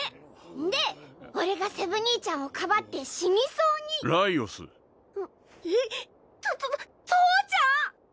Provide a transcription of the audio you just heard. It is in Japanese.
んで俺がセブ兄ちゃんをかばって死にそうにライオスととと父ちゃん！